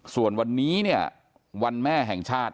ส่วนวันนี้เนี่ยวันแม่แห่งชาติ